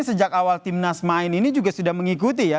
sejak awal timnas main ini juga sudah mengikuti ya